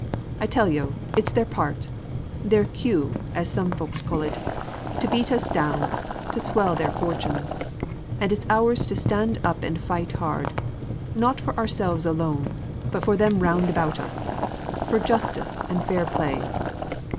I'll tell you it's their part, their cue, as some folks call it, to beat us down, to swell their fortunes; and it's ours to stand up and fight hard, not for ourselves alone, but for them round about us for justice and fair play.